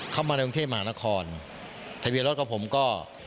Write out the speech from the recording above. เข้ามาในวงเทพหมากนครทะเบียนรถกับผมก็๘๑๗๓๕